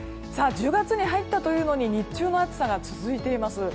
１０月に入ったというのに日中の暑さが続いています。